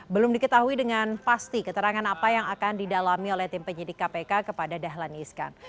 belum diketahui dengan pasti keterangan apa yang akan didalami oleh tim penyidik kpk kepada dahlan iskan